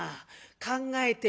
考えてみ。